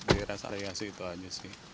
dires ariasi itu aja sih